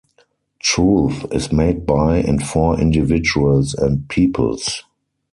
Truth is made by and for individuals and peoples.